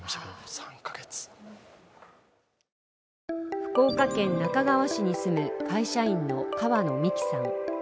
福岡県那珂川市に住む会社員の川野美樹さん。